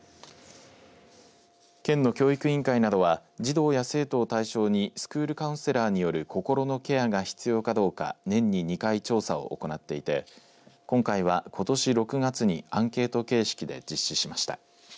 県の教育委員会などは児童や生徒を対象にスクールカウンセラーによる心のケアが必要かどうか年に２回調査を行っていて、今回はことし６月にアンケート形式で実施しました。